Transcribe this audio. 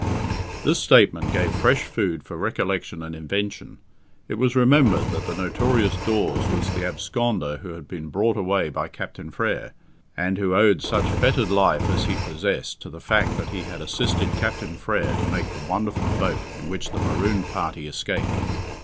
This statement gave fresh food for recollection and invention. It was remembered that "the notorious Dawes" was the absconder who had been brought away by Captain Frere, and who owed such fettered life as he possessed to the fact that he had assisted Captain Frere to make the wonderful boat in which the marooned party escaped.